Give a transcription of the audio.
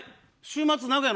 週末。